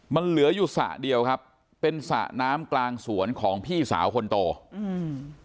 มันเหลืออยู่สระเดียวครับเป็นสระน้ำกลางสวนของพี่สาวคนโตอืม